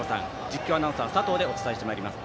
実況アナウンサー、佐藤でお伝えしてまいります。